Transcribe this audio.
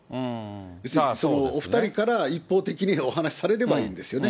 要するに、お２人から一方的にお話されればいいんですよね。